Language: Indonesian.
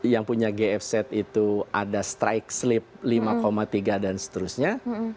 yang punya gfset itu ada strike sleep lima tiga dan seterusnya